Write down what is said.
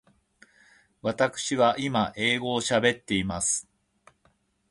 わたくしは今英語を喋っています。